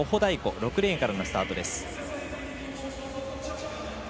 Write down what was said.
６レーンからのスタートです。